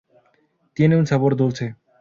Tienen un sabor dulce.